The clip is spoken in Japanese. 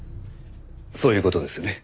そういう事ですよね？